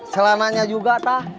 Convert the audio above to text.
selananya juga tak